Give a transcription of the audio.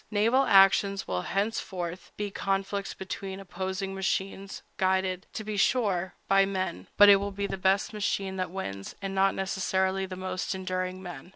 Naval actions will henceforth be conflicts between opposing machines, guided, to be sure, by men; but it will be the best machine that wins, and not necessarily the most enduring men.